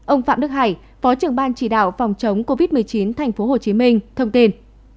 ông phạm đức hải phó trưởng ban chỉ đạo phòng chống covid một mươi chín tp hcm thông tin